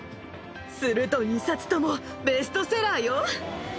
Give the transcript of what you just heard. すると、２冊ともベストセラーよ。